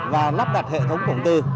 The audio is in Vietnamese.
và lắp đặt hệ thống cổng tư